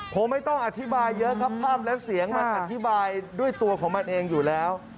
ผมไม่ต้องอธิบายเยอะครับภาพและเสียงมันอธิบายด้วยตัวของมันเองอยู่แล้ว